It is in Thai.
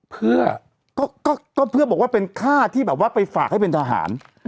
เพื่อก็เพื่อบอกว่าเป็นค่าที่แบบว่าไปฝากให้เป็นทหาร